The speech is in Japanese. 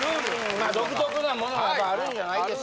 まあ独特なものがやっぱりあるんじゃないですか？